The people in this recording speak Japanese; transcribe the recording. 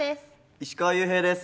石川裕平です。